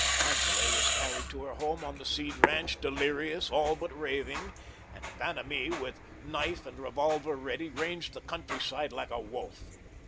Angele was carried to her home on the Seed ranch, delirious, all but raving, and Vanamee, with knife and revolver ready, ranged the country side like a wolf.